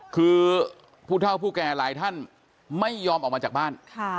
คือผู้เท่าผู้แก่หลายท่านไม่ยอมออกมาจากบ้าน